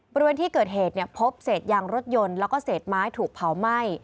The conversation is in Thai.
บริเวณที่เกิดเหตุพบเศษยางรถยนต์แล้วก็เศษไม้ถูกเผาไหม้